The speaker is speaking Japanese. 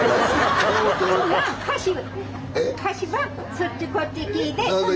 そっちこっち聞いて泊まり。